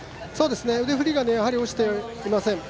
腕振りが落ちていません。